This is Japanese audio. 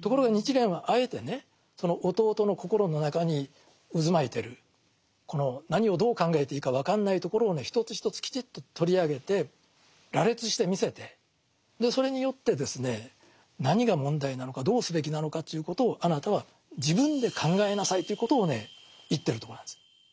ところが日蓮はあえてねその弟の心の中に渦巻いてるこの何をどう考えていいか分かんないところをね一つ一つきちっと取り上げて羅列してみせてでそれによってですね何が問題なのかどうすべきなのかということをあなたは自分で考えなさいということをね言ってるとこなんです。